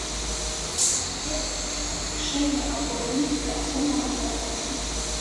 Пазней было прынята рашэнне аб будаўніцтве асобнага комплексу.